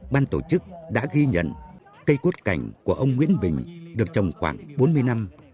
ban tổ chức đã ghi nhận cây quất cảnh của ông nguyễn bình được trồng khoảng bốn mươi năm